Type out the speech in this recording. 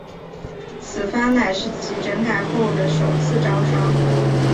此番乃是其整改后的首次招商。